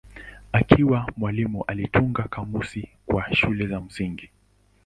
Akiwa mwalimu alitunga kamusi kwa shule za msingi.